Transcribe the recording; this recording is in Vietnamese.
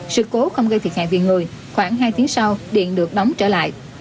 sự cố không gây thiệt hại về người khoảng hai tiếng sau điện được đóng trở lại